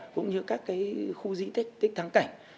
cũng như các cái khu dĩ tích thắng cảnh